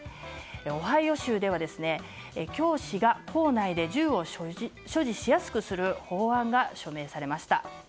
オハイオ州では教師が校内で銃を所持しやすくする法案が署名されました。